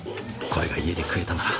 これが家で食えたなら。